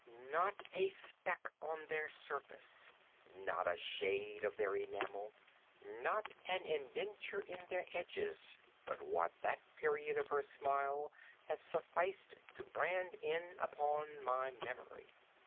Not a speck on their surface—not a shade on their enamel—not an indenture in their edges—but what that period of her smile had sufficed to brand in upon my memory.